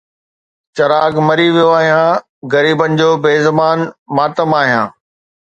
چراغ مري ويو آهيان، غريبن جو بي زبان ماتم آهيان